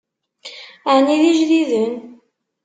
Ɛni d ijdiden?